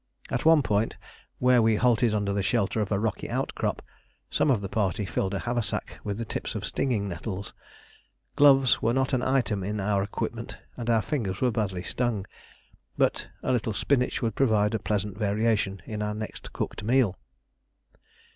At one point, where we halted under the shelter of a rocky outcrop, some of the party filled a haversack with the tips of stinging nettles. Gloves were not an item of our equipment, and our fingers were badly stung, but a little spinach would provide a pleasant variation in our next cooked meal.